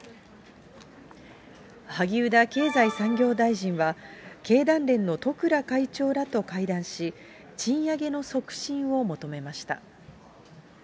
萩生田経済産業大臣は、経団連の十倉会長らと会談し、賃上げの促進を求めました。